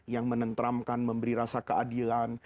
yang menenteramkan memberi rasa keadilan